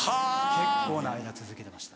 結構な間続けてました。